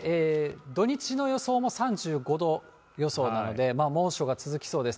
土日の予想も３５度予想なので、猛暑が続きそうです。